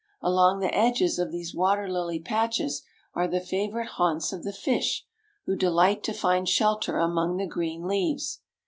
Along the edges of these water lily patches are the favorite haunts of the fish, who delight to find shelter among the green leaves.